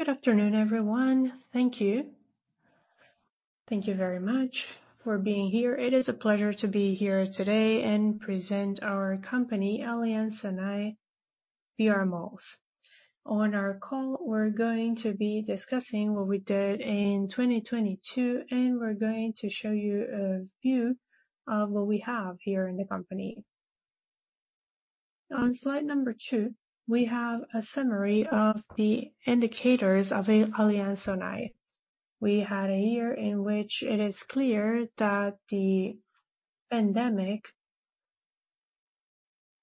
Good afternoon, everyone. Thank you. Thank you very much for being here. It is a pleasure to be here today and present our company, Aliansce Sonae and brMalls. On our call, we're going to be discussing what we did in 2022. We're going to show you a view of what we have here in the company. On slide number two, we have a summary of the indicators of Aliansce Sonae. We had a year in which it is clear that the pandemic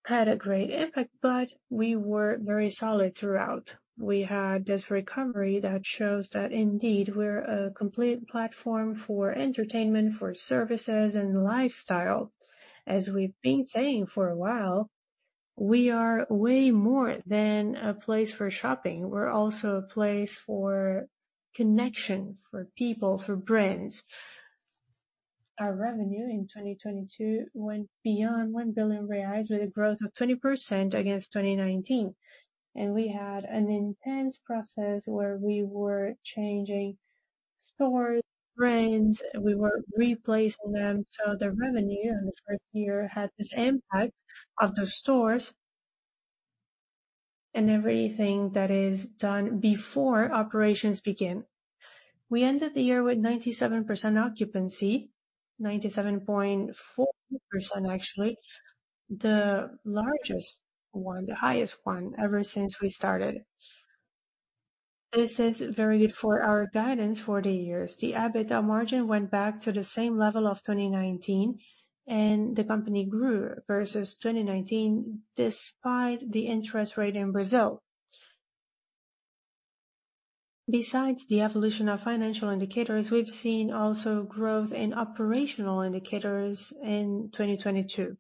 had a great impact. We were very solid throughout. We had this recovery that shows that indeed we're a complete platform for entertainment, for services and lifestyle. As we've been saying for a while, we are way more than a place for shopping. We're also a place for connection, for people, for brands. Our revenue in 2022 went beyond 1 billion reais with a growth of 20% against 2019. We had an intense process where we were changing stores, brands, we were replacing them. The revenue in the first year had this impact of the stores and everything that is done before operations begin. We ended the year with 97% occupancy, 97.4%, actually. The largest one, the highest one ever since we started. This is very good for our guidance for the years. The EBITDA margin went back to the same level of 2019. The company grew versus 2019, despite the interest rate in Brazil. Besides the evolution of financial indicators, we've seen also growth in operational indicators in 2022.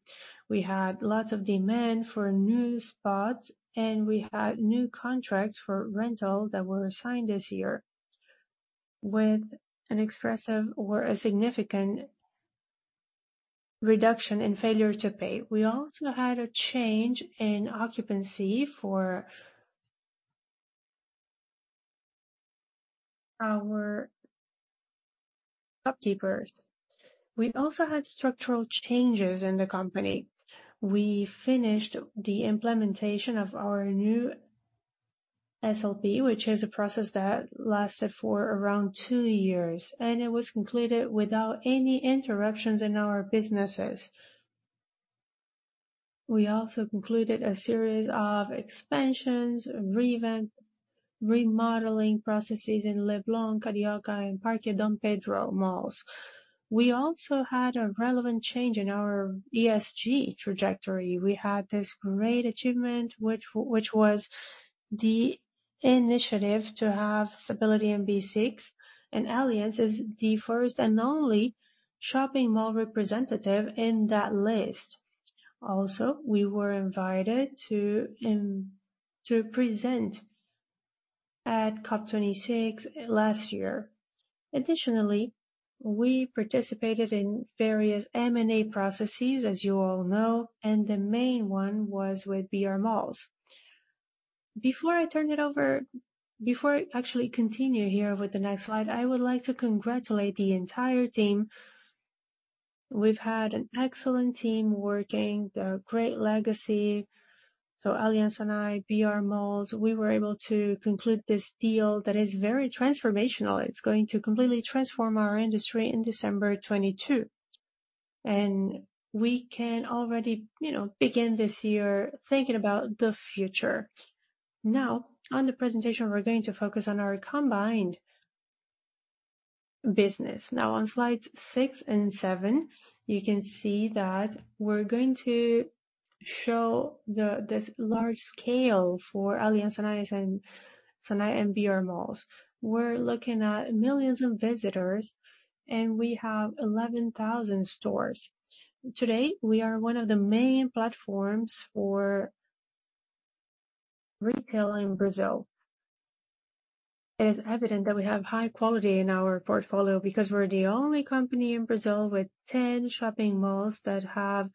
We had lots of demand for new spots. We had new contracts for rental that were signed this year with an expressive or a significant reduction in failure to pay. We also had a change in occupancy for our shopkeepers. We also had structural changes in the company. We finished the implementation of our new SLP, which is a process that lasted for around two years. It was concluded without any interruptions in our businesses. We also concluded a series of expansions, revamp, remodeling processes in Leblon, Carioca and Parque Dom Pedro malls. We also had a relevant change in our ESG trajectory. We had this great achievement, which was the initiative to have stability in B6. Aliansce is the first and only shopping mall representative in that list. We were invited to present at COP26 last year. Additionally, we participated in various M&A processes, as you all know, the main one was with brMalls. Before I actually continue here with the next slide, I would like to congratulate the entire team. We've had an excellent team working, the great legacy. Aliansce Sonae and brMalls, we were able to conclude this deal that is very transformational. It's going to completely transform our industry in December 2022. We can already, you know, begin this year thinking about the future. Now, on the presentation, we're going to focus on our combined business. Now on slides six and seven, you can see that we're going to show this large scale for Aliansce Sonae and brMalls. We're looking at millions of visitors, and we have 11,000 stores. Today, we are one of the main platforms for retail in Brazil. It is evident that we have high quality in our portfolio because we're the only company in Brazil with 10 shopping malls that have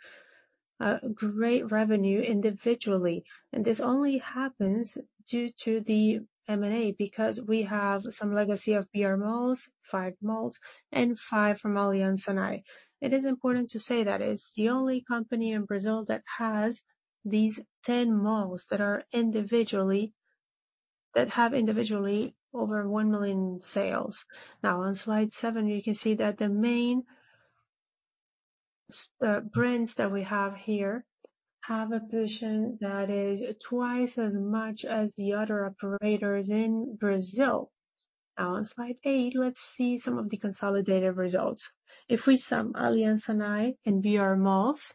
great revenue individually. This only happens due to the M&A because we have some legacy of brMalls, five malls, and five from Aliansce Sonae. It is important to say that it's the only company in Brazil that has these 10 malls that have individually over 1 million sales. On slide seven, you can see that the main brands that we have here have a position that is twice as much as the other operators in Brazil. On slide eight, let's see some of the consolidated results. If we sum Aliansce Sonae and brMalls,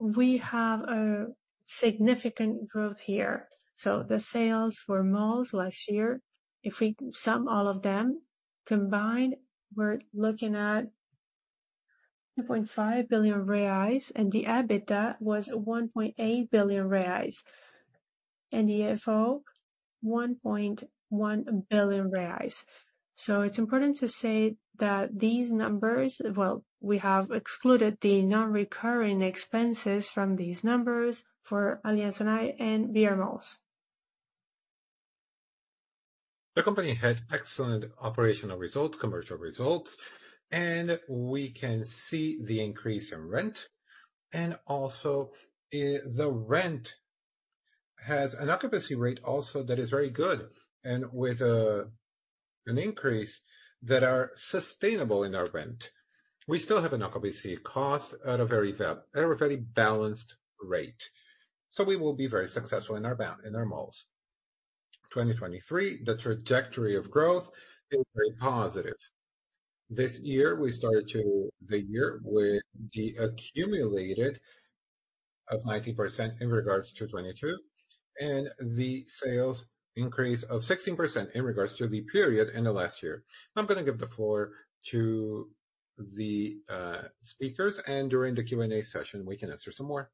we have a significant growth here. The sales for malls last year, if we sum all of them combined, we're looking at 2.5 billion reais and the EBITDA was 1.8 billion reais. The FFO, 1.1 billion reais. So it's important to say that these numbers... Well, we have excluded the non-recurring expenses from these numbers for Aliansce Sonae and brMalls. The company had excellent operational results, commercial results. We can see the increase in rent. Also, the rent has an occupancy rate also that is very good. With an increase that are sustainable in our rent, we still have an occupancy cost at a very balanced rate. We will be very successful in our malls. 2023, the trajectory of growth is very positive. This year, we started the year with the accumulated of 90% in regards to 2022, and the sales increase of 16% in regards to the period in the last year. I'm gonna give the floor to the speakers, and during the Q&A session, we can answer some more.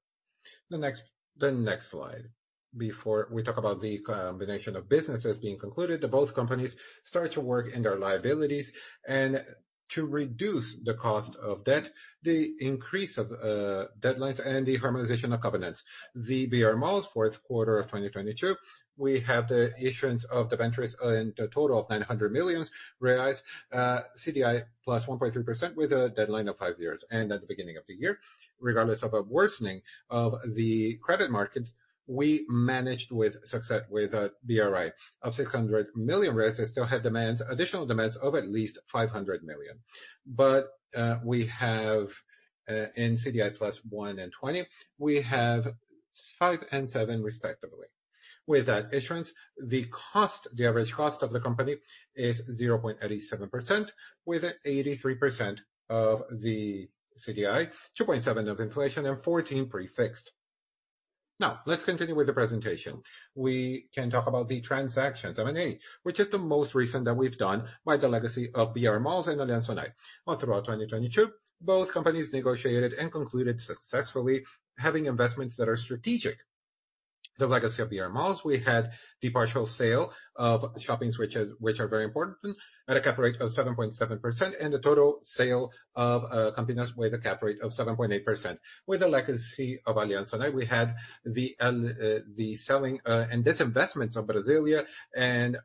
The next slide. Before we talk about the combination of businesses being concluded, both companies start to work in their liabilities and to reduce the cost of debt, the increase of deadlines, and the harmonization of covenants. The brMalls fourth quarter of 2022, we have the issuance of debentures in the total of 900 million reais, CDI +1.3% with a deadline of five years. At the beginning of the year, regardless of a worsening of the credit market, we managed with success with a CRI of 600 million reais and still have additional demands of at least 500 million. We have in CDI +1.20, we have five and seven, respectively. With that issuance, the cost, the average cost of the company is 0.87%, with 83% of the CDI, 2.7 of inflation, and 14 prefixed. Let's continue with the presentation. We can talk about the transactions, M&A, which is the most recent that we've done by the legacy of brMalls and Aliansce Sonae. Throughout 2022, both companies negotiated and concluded successfully, having investments that are strategic. The legacy of brMalls, we had the partial sale of shoppings which are very important at a cap rate of 7.7% and the total sale of companies with a cap rate of 7.8%. With the legacy of Aliansce Sonae, we had the selling and disinvestment of Brasília, and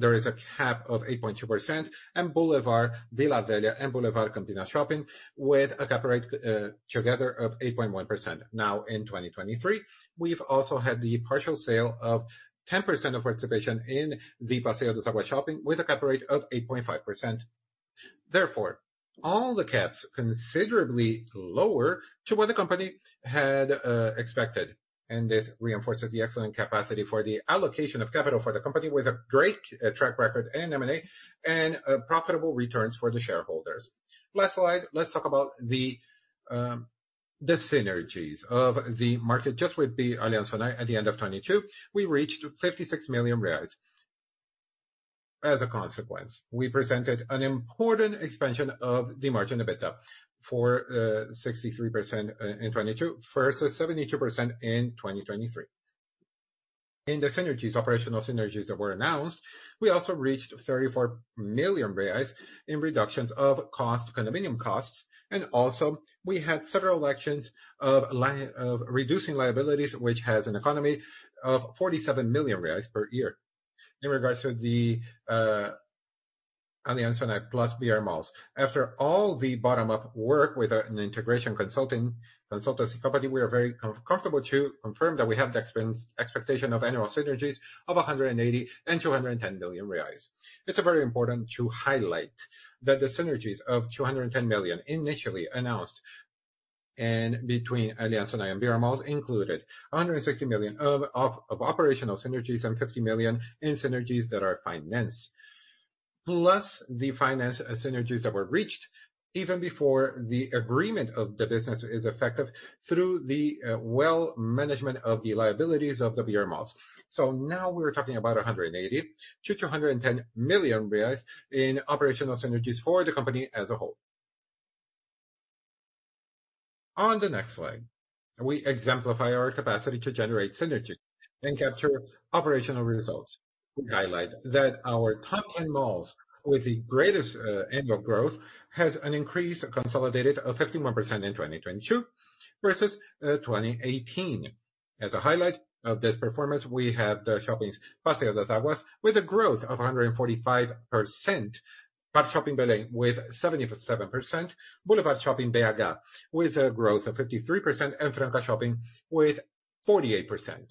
there is a cap of 8.2%, and Boulevard Vila Velha and Boulevard Campinas Shopping with a cap rate together of 8.1%. Now in 2023, we've also had the partial sale of 10% of our exhibition in the Passeio das Águas Shopping with a cap rate of 8.5%. Therefore, all the caps considerably lower to what the company had expected. This reinforces the excellent capacity for the allocation of capital for the company with a great track record in M&A and profitable returns for the shareholders. Last slide. Let's talk about the synergies of the market. Just with the Aliansce Sonae at the end of 2022, we reached 56 million reais. As a consequence, we presented an important expansion of the margin EBITDA for 63% in 2022 versus 72% in 2023. In the synergies, operational synergies that were announced, we also reached 34 million reais in reductions of condominium costs. Also we had several actions of reducing liabilities, which has an economy of 47 million reais per year. In regards to the Aliansce Sonae plus brMalls, after all the bottom-up work with an integration consultancy company, we are very comfortable to confirm that we have the expectation of annual synergies of 180 million-210 million reais. It's very important to highlight that the synergies of 210 million initially announced between Aliansce Sonae and brMalls included 160 million of operational synergies and 50 million in synergies that are finance. Plus the finance synergies that were reached even before the agreement of the business is effective through the well management of the liabilities of the brMalls. Now we're talking about 180 million-210 million reais in operational synergies for the company as a whole. On the next slide, we exemplify our capacity to generate synergy and capture operational results. We highlight that our top 10 malls with the greatest annual growth has an increase consolidated of 51% in 2022 versus 2018. As a highlight of this performance, we have the Shoppings Passeio das Águas with a growth of 145%, Parque Shopping Belém with 77%, Boulevard Shopping BH with 53%, and Franca Shopping with 48%.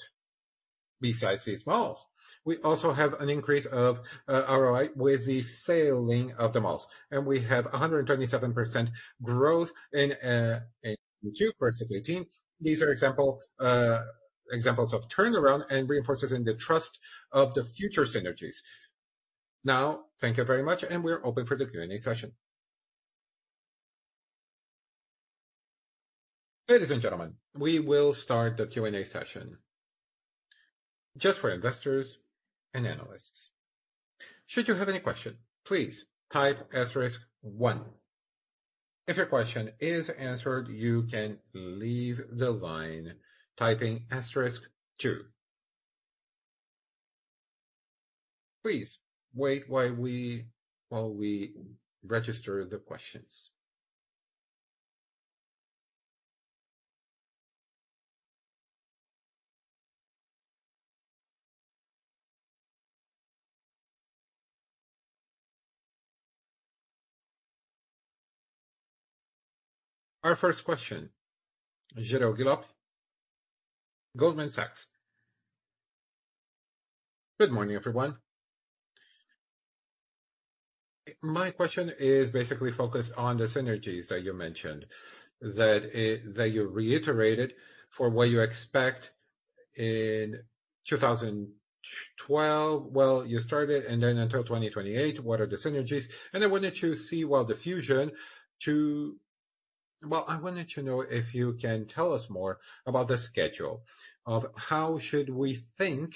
Besides these malls, we also have an increase of ROI with the sailing of the malls, and we have a 127% growth in 2022 versus 2018. These are examples of turnaround and reinforces in the trust of the future synergies. Thank you very much, and we're open for the Q&A session. Ladies and gentlemen, we will start the Q&A session just for investors and analysts. Should you have any question, please type asterisk one. If your question is answered, you can leave the line typing asterisk two. Please wait while we register the questions. Our first question, Jorel Guilloty, Goldman Sachs. Good morning, everyone. My question is basically focused on the synergies that you mentioned, that you reiterated for what you expect in two thousand tw-twelve. Well, you started and then until 2028, what are the synergies? Well, I wanted to know if you can tell us more about the schedule of how should we think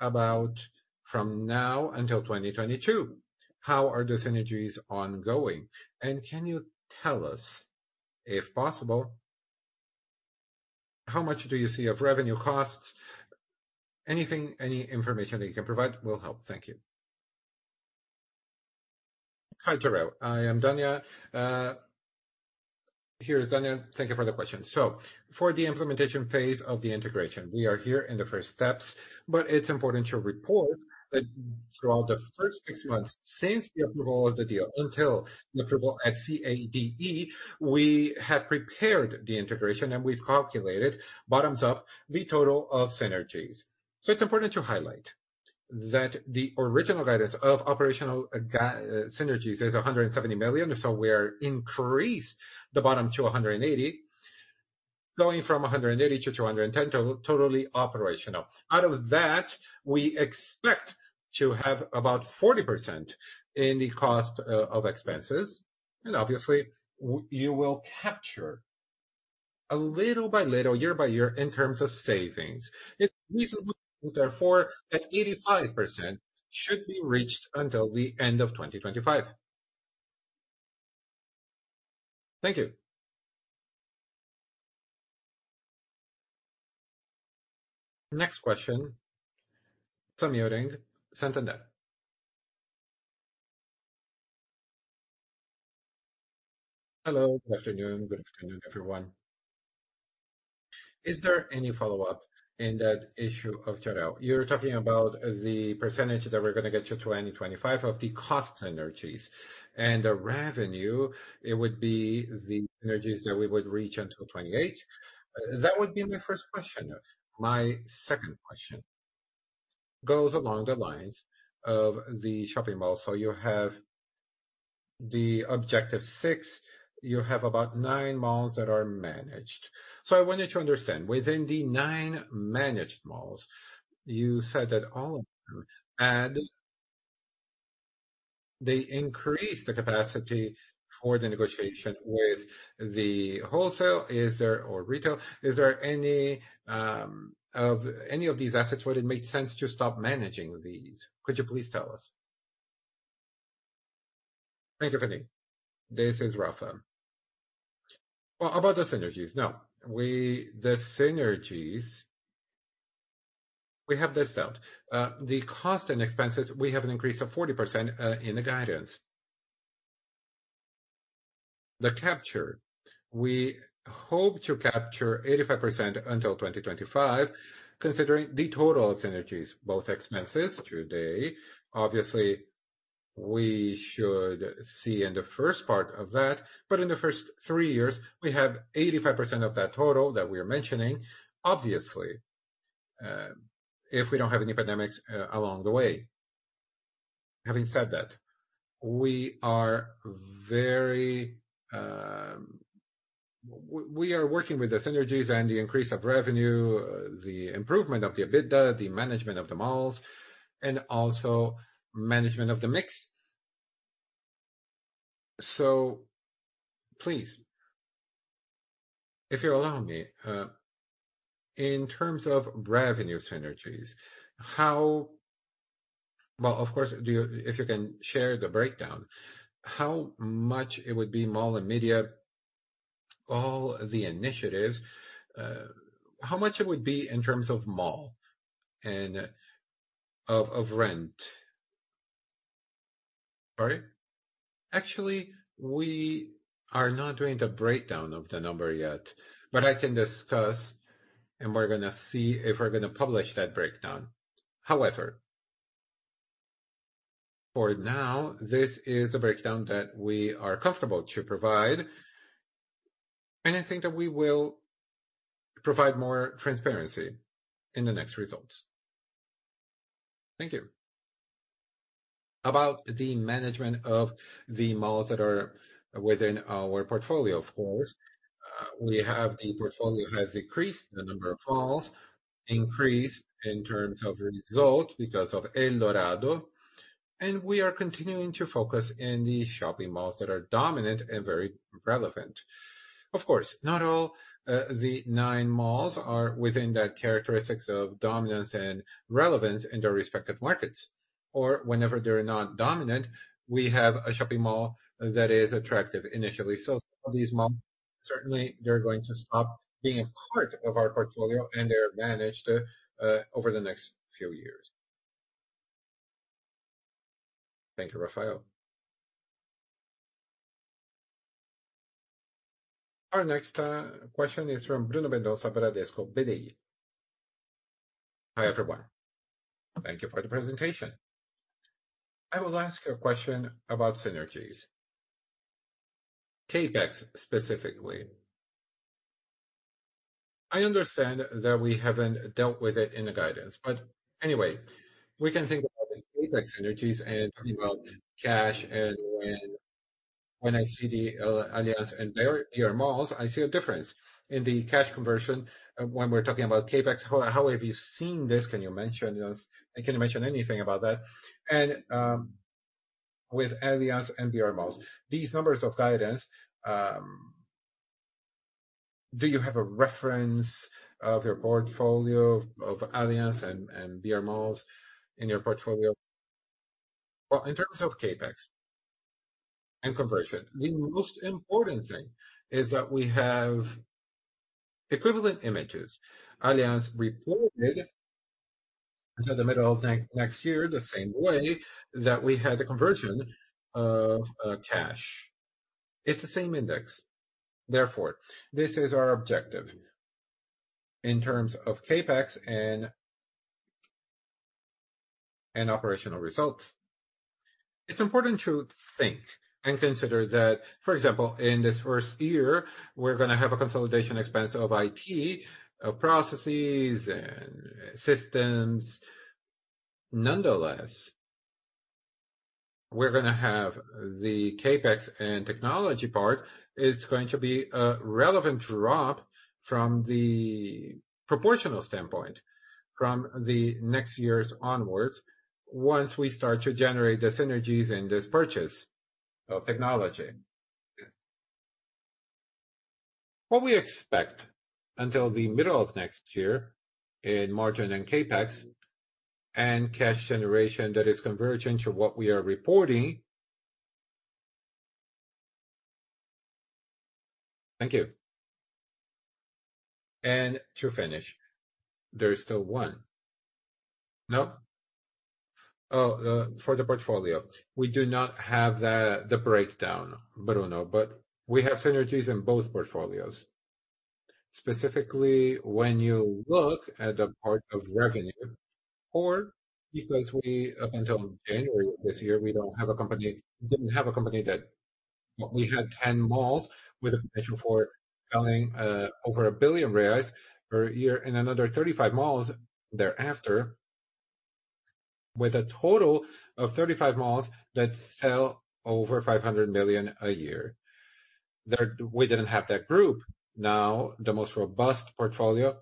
about from now until 2022, how are the synergies ongoing? Can you tell us, if possible, how much do you see of revenue costs? Anything, any information that you can provide will help. Thank you. Hi, Jorel. I am Daniel. Thank you for the question. For the implementation phase of the integration, we are here in the first six months, but it's important to report that throughout the first six months since the approval of the deal until the approval at CADE, we have prepared the integration, and we've calculated bottoms up the total of synergies. It's important to highlight that the original guidance of operational synergies is 170 million. We're increased the bottom to 180, going from 180-210, totally operational. Out of that, we expect to have about 40% in the cost of expenses. Obviously you will capture a little by little, year by year in terms of savings. It's reasonable, therefore, that 85% should be reached until the end of 2025. Thank you. Next question. Sam Uring, Santander. Hello. Good afternoon. Good afternoon, everyone. Is there any follow-up in that issue of Jorel? You're talking about the percentage that we're gonna get to 2025 of the cost synergies and the revenue it would be the synergies that we would reach until 2028. That would be my first question. My second question goes along the lines of the shopping malls. You have the objective six, you have about nine malls that are managed. I wanted to understand, within the nine managed malls, you said that all of them they increase the capacity for the negotiation with the wholesale or retail. Is there any of any of these assets, would it make sense to stop managing these? Could you please tell us? Thank you for me. This is Rafa. About the synergies, no. The synergies, we have this down. The cost and expenses, we have an increase of 40% in the guidance. The capture, we hope to capture 85% until 2025, considering the total synergies, both expenses today, obviously we should see in the first part of that, but in the first three years we have 85% of that total that we are mentioning. If we don't have any pandemics along the way. Having said that, we are very. We are working with the synergies and the increase of revenue, the improvement of the EBITDA, the management of the malls, and also management of the mix. Please, if you allow me, in terms of revenue synergies, how. Of course, if you can share the breakdown, how much it would be mall and media, all the initiatives, how much it would be in terms of mall and of rent? Sorry. Actually, we are not doing the breakdown of the number yet, but I can discuss and we're gonna see if we're gonna publish that breakdown. For now, this is the breakdown that we are comfortable to provide, and I think that we will provide more transparency in the next results. Thank you. About the management of the malls that are within our portfolio, of course, we have the portfolio has increased the number of malls, increased in terms of results because of Shopping Eldorado, and we are continuing to focus in the shopping malls that are dominant and very relevant. Of course, not all, the nine malls are within that characteristics of dominance and relevance in their respective markets. Whenever they're not dominant, we have a shopping mall that is attractive initially. Some of these malls, certainly they're going to stop being a part of our portfolio and they're managed over the next few years. Thank you, Rafael. Our next question is from Bruno Mendonça, Bradesco BBI. Hi, everyone. Thank you for the presentation. I will ask a question about synergies, CapEx specifically. I understand that we haven't dealt with it in the guidance, but anyway, we can think about the CapEx synergies and talking about cash and when I see the Aliansce and brMalls, I see a difference in the cash conversion when we're talking about CapEx. How have you seen this? Can you mention this? Can you mention anything about that? With Aliansce and brMalls, these numbers of guidance, do you have a reference of your portfolio of Aliansce and brMalls in your portfolio? In terms of CapEx and conversion, the most important thing is that we have equivalent images. Aliansce reported until the middle of next year the same way that we had the conversion of cash. It's the same index. This is our objective in terms of CapEx and operational results. It's important to think and consider that, for example, in this first year, we're gonna have a consolidation expense of IT, of processes and systems. Nonetheless, we're gonna have the CapEx and technology part is going to be a relevant drop from the proportional standpoint from the next years onwards, once we start to generate the synergies in this purchase of technology. What we expect until the middle of next year in margin and CapEx and cash generation that is convergent to what we are reporting. Thank you. To finish, there is still one. No? For the portfolio, we do not have the breakdown, Bruno, but we have synergies in both portfolios. Specifically, when you look at the part of revenue or because we up until January of this year, we don't have a company that we had 10 malls with a potential for selling over 1 billion reais per year and another 35 malls thereafter, with a total of 35 malls that sell over 500 million a year. We didn't have that group. Now, the most robust portfolio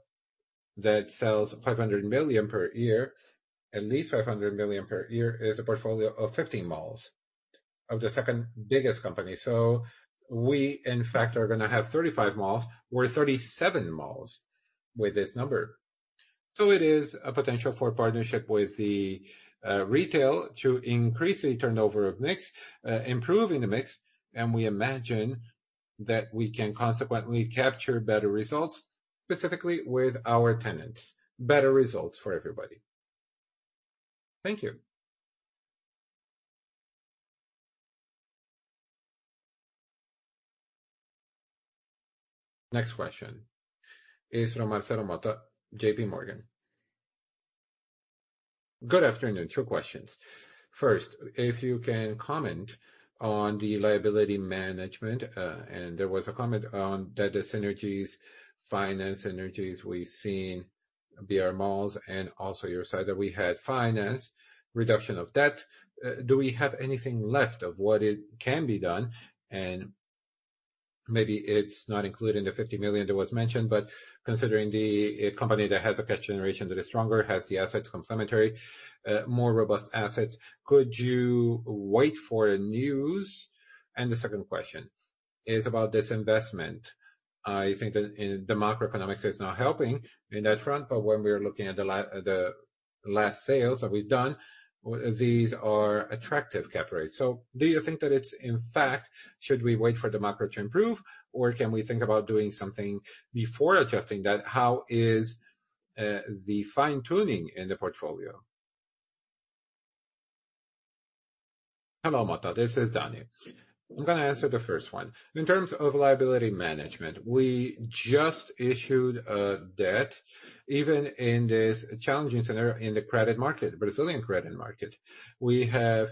that sells 500 million per year, at least 500 million per year, is a portfolio of 15 malls of the second biggest company. We, in fact, are gonna have 35 malls or 37 malls with this number. It is a potential for partnership with the retail to increase the turnover of mix, improving the mix, and we imagine that we can consequently capture better results, specifically with our tenants. Better results for everybody. Thank you. Next question is from Marcelo Motta, JPMorgan. Good afternoon. Two questions. First, if you can comment on the liability management. There was a comment on data synergies, finance synergies. We've seen brMalls and also your side that we had finance, reduction of debt. Do we have anything left of what it can be done? Maybe it's not included in the 50 million that was mentioned, but considering the company that has a cash generation that is stronger, has the assets complementary, more robust assets, could you wait for a news? The second question is about disinvestment. I think that the macroeconomics is not helping in that front, but when we're looking at the last sales that we've done, these are attractive Cap rates. Do you think that it's in fact, should we wait for the macro to improve, or can we think about doing something before adjusting that? How is the fine-tuning in the portfolio? Hello, Mota. This is Dani. I'm gonna answer the first one. In terms of liability management, we just issued a debt, even in this challenging scenario in the credit market, Brazilian credit market. We have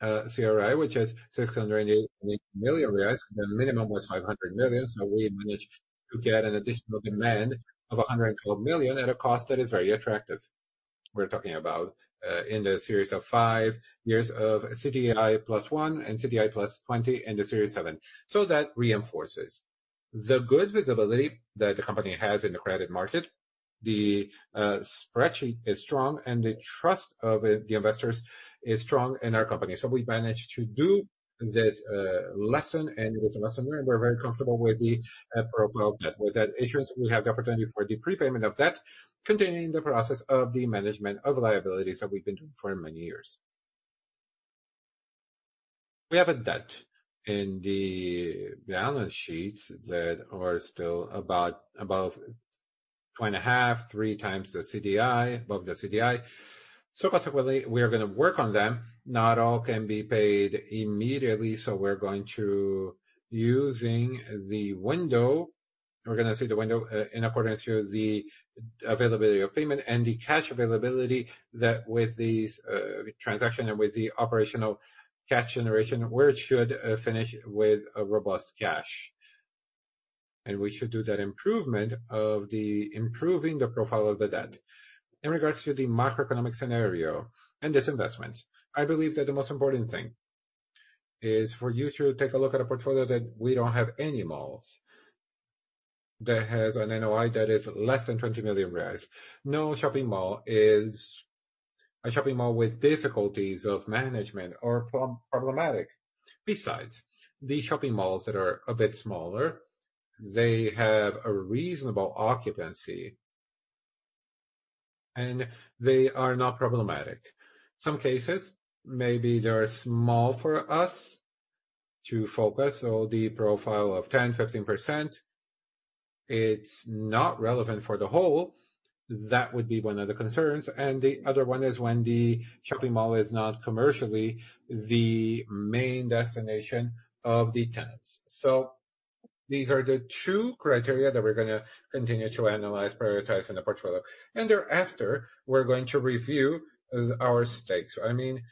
CRI, which is 608 million reais. The minimum was 500 million. We managed to get an additional demand of 112 million at a cost that is very attractive. We're talking about in the series of five years of CDI +1 and CDI +20 in the series seven. That reinforces the good visibility that the company has in the credit market. The spreadsheet is strong and the trust of the investors is strong in our company. We managed to do this lesson, and it was a lesson where we're very comfortable with the profile of debt. With that issuance, we have the opportunity for the prepayment of debt, continuing the process of the management of liabilities that we've been doing for many years. We have a debt in the balance sheets that are still about above 2.5-3 times the CDI, above the CDI. Consequently, we are gonna work on them. Not all can be paid immediately, so we're going to using the window. We're gonna see the window in accordance to the availability of payment and the cash availability that with these transaction and with the operational cash generation, where it should finish with a robust cash. We should do that improvement of the improving the profile of the debt. In regards to the macroeconomic scenario and disinvestment, I believe that the most important thing is for you to take a look at a portfolio that we don't have any malls that has an NOI that is less than 20 million reais. No shopping mall is a shopping mall with difficulties of management or problematic. These shopping malls that are a bit smaller, they have a reasonable occupancy and they are not problematic. Some cases, maybe they are small for us to focus on the profile of 10%, 15%. It's not relevant for the whole. That would be one of the concerns. The other one is when the shopping mall is not commercially the main destination of the tenants. These are the two criteria that we're gonna continue to analyze, prioritize in the portfolio. Thereafter, we're going to review our stakes. I mean,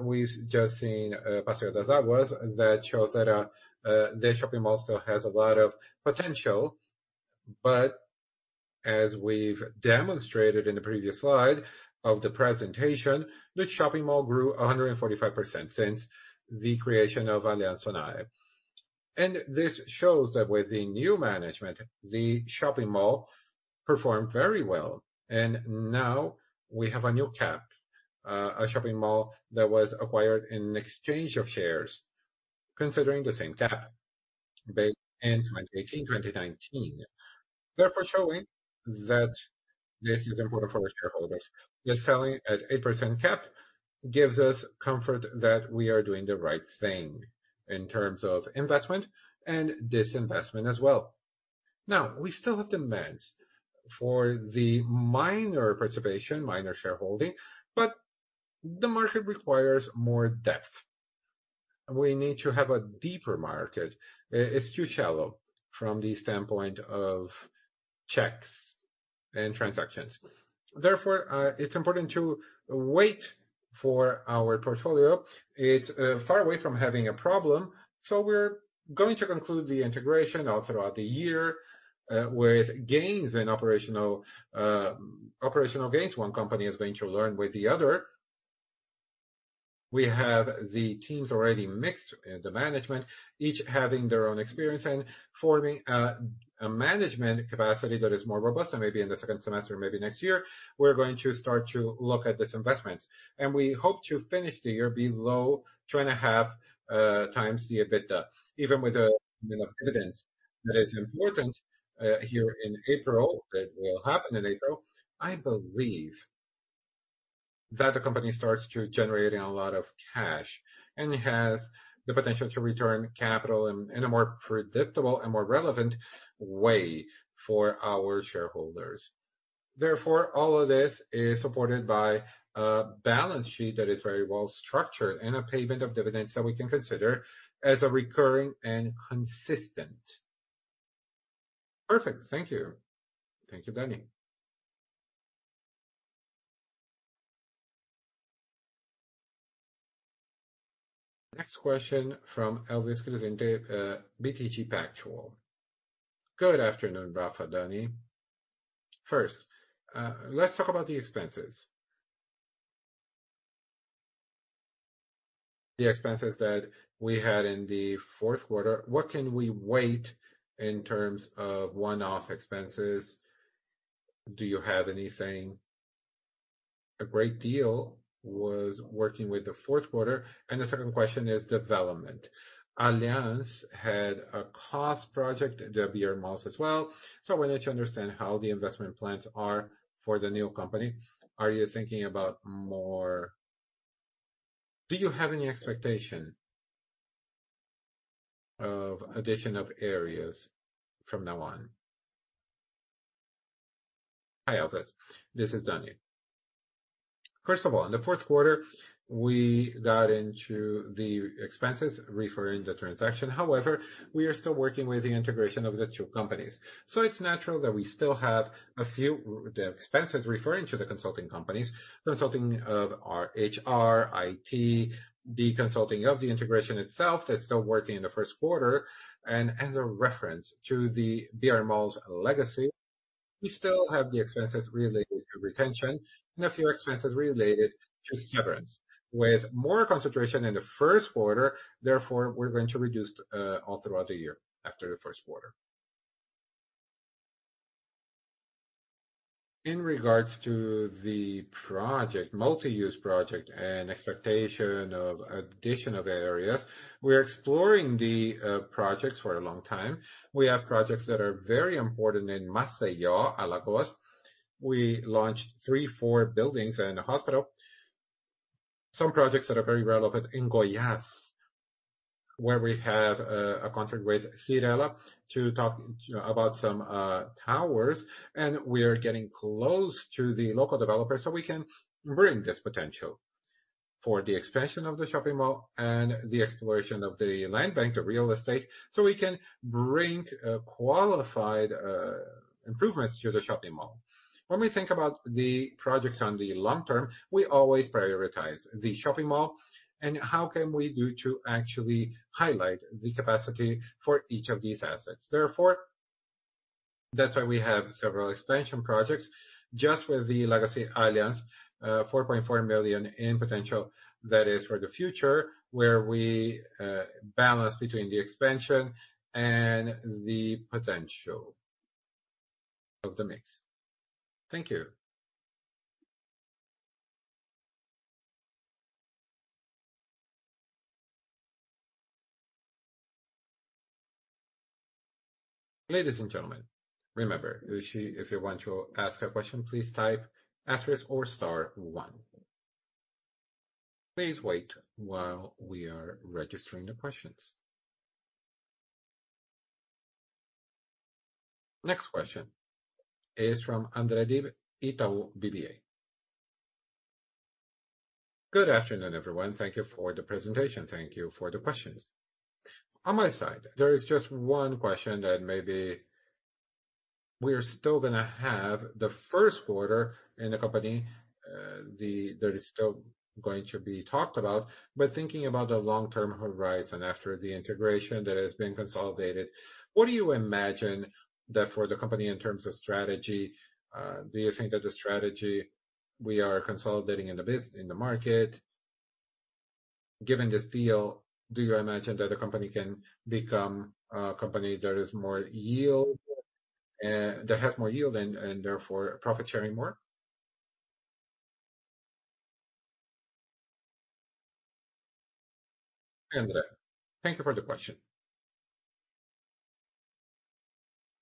we've just seen Passeio das Águas that shows that the shopping mall still has a lot of potential. As we've demonstrated in the previous slide of the presentation, the shopping mall grew 145% since the creation of Aliansce Sonae. This shows that with the new management, the shopping mall performed very well. Now we have a new cap, a shopping mall that was acquired in exchange of shares, considering the same cap back in 2018, 2019. Therefore, showing that this is important for our shareholders. The selling at 8% cap gives us comfort that we are doing the right thing in terms of investment and disinvestment as well. We still have demands for the minor participation, minor shareholding, but the market requires more depth. We need to have a deeper market. It's too shallow from the standpoint of checks and transactions. Therefore, it's important to wait for our portfolio. It's far away from having a problem. We're going to conclude the integration all throughout the year, with gains in operational gains. One company is going to learn with the other. We have the teams already mixed in the management, each having their own experience and forming a management capacity that is more robust. Maybe in the second semester, maybe next year, we're going to start to look at these investments. We hope to finish the year below 2.5x the EBITDA, even with a payment of dividends that is important here in April, that will happen in April. I believe that the company starts to generating a lot of cash and has the potential to return capital in a more predictable and more relevant way for our shareholders. All of this is supported by a balance sheet that is very well structured and a payment of dividends that we can consider as recurring and consistent. Perfect. Thank you. Thank you, Dani. Next question from Elvis Credendio, BTG Pactual. Good afternoon, Rafa, Dani. First, let's talk about the expenses. The expenses that we had in the fourth quarter. What can we wait in terms of one-off expenses? Do you have anything? A great deal was working with the fourth quarter. The second question is development. Aliansce had a cost project, brMalls as well. We need to understand how the investment plans are for the new company. Are you thinking about more? Do you have any expectation of addition of areas from now on? Hi, Elvis. This is Dani. First of all, in the fourth quarter, we got into the expenses referring the transaction. However, we are still working with the integration of the two companies. It's natural that we still have a few expenses referring to the consulting companies, consulting of our HR, IT, the consulting of the integration itself that's still working in the first quarter. As a reference to the brMalls legacy, we still have the expenses related to retention and a few expenses related to severance. With more concentration in the first quarter, therefore, we're going to reduce all throughout the year after the first quarter. In regards to the project, multi-use project and expectation of additional areas, we are exploring the projects for a long time. We have projects that are very important in Maceió, Alagoas. We launched three, four buildings and a hospital. Some projects that are very relevant in Goiás, where we have a contract with Cyrela to talk, you know, about some towers, and we are getting close to the local developer, so we can bring this potential for the expansion of the shopping mall and the exploration of the land bank, the real estate, so we can bring qualified improvements to the shopping mall. When we think about the projects on the long term, we always prioritize the shopping mall and how can we do to actually highlight the capacity for each of these assets. Therefore, that's why we have several expansion projects just with the Legacy Aliansce, 4.4 million in potential that is for the future, where we balance between the expansion and the potential of the mix. Thank you. Ladies and gentlemen, remember, if you want to ask a question, please type asterisk or star one. Please wait while we are registering the questions. Next question is from André Dibe, Itaú BBA. Good afternoon, everyone. Thank you for the presentation. Thank you for the questions. On my side, there is just one question that maybe we are still gonna have the first quarter in the company, that is still going to be talked about. Thinking about the long-term horizon after the integration that has been consolidated, what do you imagine that for the company in terms of strategy? Do you think that the strategy we are consolidating in the market, given this deal, do you imagine that the company can become a company that is more yield, that has more yield and therefore profit sharing more? André, thank you for the question.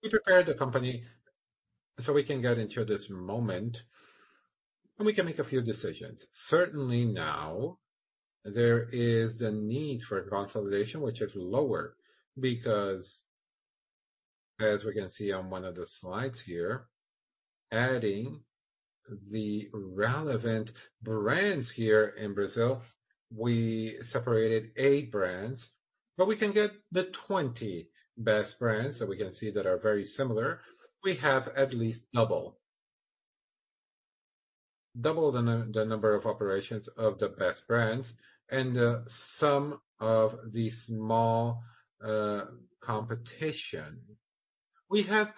We prepared the company so we can get into this moment, and we can make a few decisions. Certainly now there is the need for consolidation, which is lower because as we can see on one of the slides here, adding the relevant brands here in Brazil, we separated eight brands, but we can get the 20 best brands that we can see that are very similar. We have at least double the number of operations of the best brands and some of the small competition. We have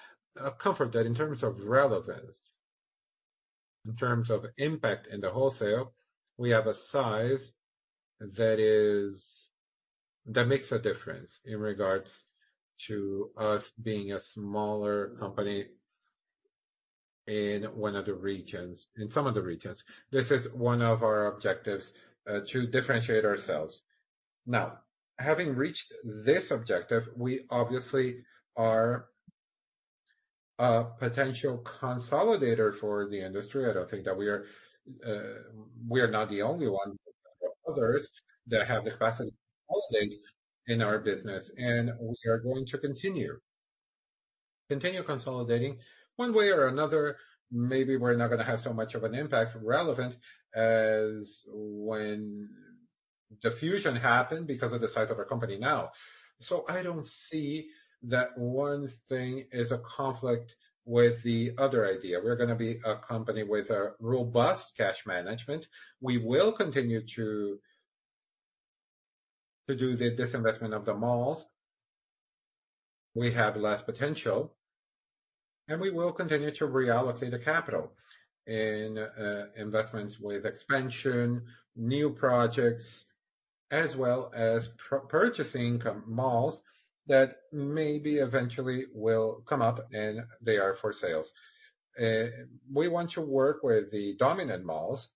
comfort that in terms of relevance, in terms of impact in the wholesale, we have a size that makes a difference in regards to us being a smaller company in one of the regions, in some of the regions. This is one of our objectives to differentiate ourselves. Now, having reached this objective, we obviously are a potential consolidator for the industry. I don't think that we are not the only one. There are others that have the capacity to consolidate in our business, and we are going to continue. Continue consolidating one way or another. Maybe we're not going to have so much of an impact relevant as when the fusion happened because of the size of our company now. I don't see that one thing is a conflict with the other idea. We're going to be a company with a robust cash management. We will continue to do the disinvestment of the malls. We have less potential, and we will continue to reallocate the capital in investments with expansion, new projects, as well as purchasing malls that maybe eventually will come up, and they are for sales. We want to work with the dominant malls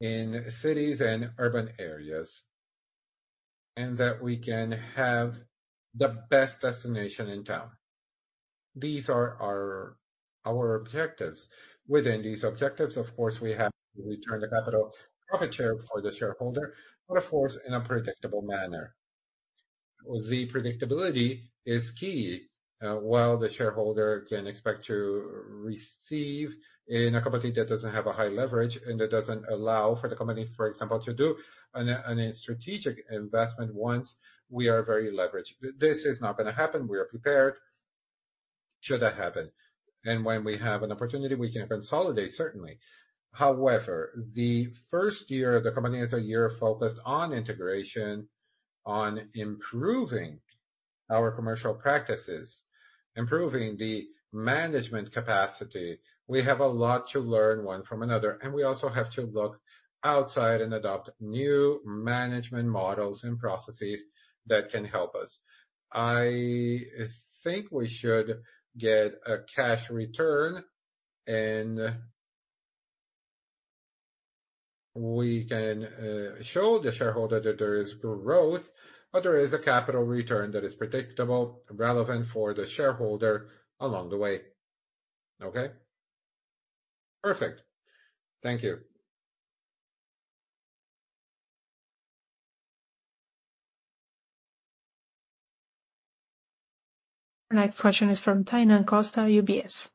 in cities and urban areas, and that we can have the best destination in town. These are our objectives. Within these objectives, of course, we have to return the capital profit share for the shareholder, but of course, in a predictable manner. The predictability is key. While the shareholder can expect to receive in a company that doesn't have a high leverage and that doesn't allow for the company, for example, to do a strategic investment once we are very leveraged. This is not gonna happen. We are prepared should that happen. When we have an opportunity, we can consolidate, certainly. The first year, the company is a year focused on integration, on improving our commercial practices, improving the management capacity. We have a lot to learn one from another, and we also have to look outside and adopt new management models and processes that can help us. I think we should get a cash return We can, show the shareholder that there is growth, but there is a capital return that is predictable, relevant for the shareholder along the way. Okay? Perfect. Thank you. Next question is from Tainan Costa, UBS.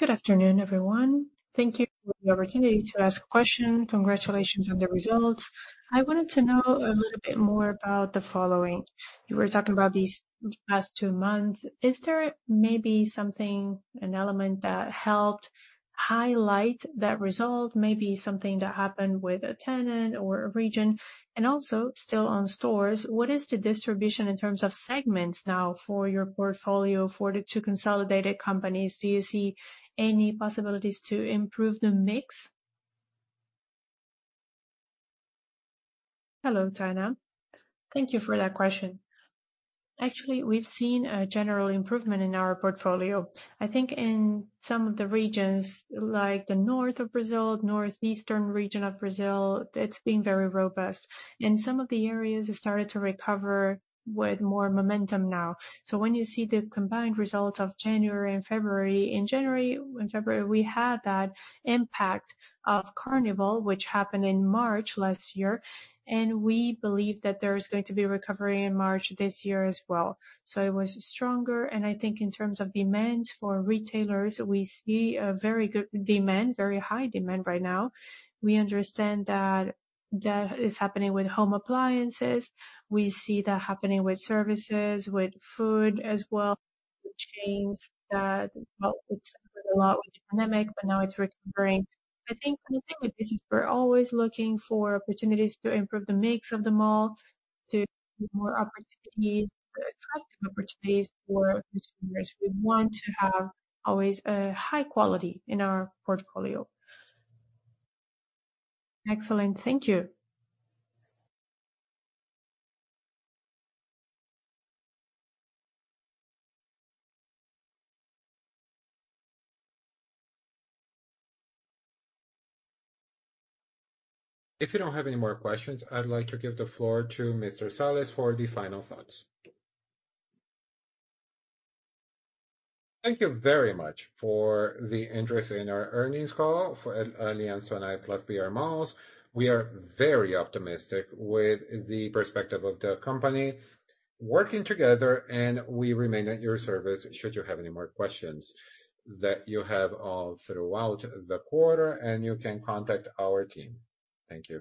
Good afternoon, everyone. Thank you for the opportunity to ask a question. Congratulations on the results. I wanted to know a little bit more about the following. You were talking about these past two months. Is there maybe something, an element that helped highlight that result, maybe something that happened with a tenant or a region? Also still on stores, what is the distribution in terms of segments now for your portfolio for the two consolidated companies? Do you see any possibilities to improve the mix? Hello, Tainan. Thank you for that question. Actually, we've seen a general improvement in our portfolio. I think in some of the regions like the north of Brazil, northeastern region of Brazil, it's been very robust. In some of the areas it started to recover with more momentum now. When you see the combined results of January and February, in January and February, we had that impact of Carnival, which happened in March last year, and we believe that there is going to be recovery in March this year as well. It was stronger, and I think in terms of demands for retailers, we see a very good demand, very high demand right now. We understand that that is happening with home appliances. We see that happening with services, with food as well, with chains that helped a lot with the pandemic, but now it's recovering. The thing with this is we're always looking for opportunities to improve the mix of the mall, to give more opportunities, attractive opportunities for consumers. We want to have always a high quality in our portfolio. Excellent. Thank you. If you don't have any more questions, I'd like to give the floor to Mr. Sales for the final thoughts. Thank you very much for the interest in our earnings call for Aliansce Sonae plus brMalls. We are very optimistic with the perspective of the company working together. We remain at your service should you have any more questions that you have all throughout the quarter. You can contact our team. Thank you.